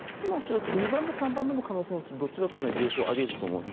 ２番目３番目の可能性のうちどちらか両方があり得ると思います。